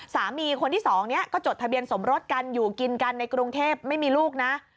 คนที่สองเนี่ยก็จดทะเบียนสมรสกันอยู่กินกันในกรุงเทพไม่มีลูกนะ